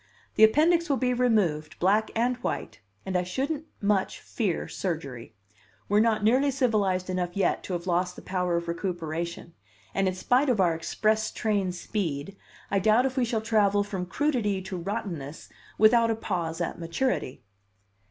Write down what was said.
The appendix will be removed, black and white and I shouldn't much fear surgery. We're not nearly civilized enough yet to have lost the power Of recuperation, and in spite of our express train speed, I doubt if we shall travel from crudity to rottenness without a pause at maturity."